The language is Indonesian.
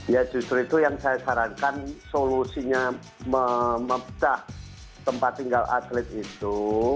ya justru itu yang saya sarankan solusinya memecah tempat tinggal atlet itu